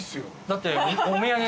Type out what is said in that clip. だって。